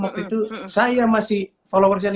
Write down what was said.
waktu itu saya masih followersnya lima ratus